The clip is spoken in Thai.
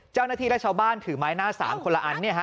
เจ้าหน้าที่และชาวบ้านถือไม้หน้าสามคนละอัน